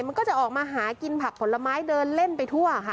มันก็จะออกมาหากินผักผลไม้เดินเล่นไปทั่วค่ะ